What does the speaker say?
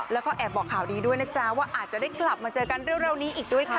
แล้วก็แอบบอกข่าวดีด้วยนะจ๊ะว่าอาจจะได้กลับมาเจอกันเร็วนี้อีกด้วยค่ะ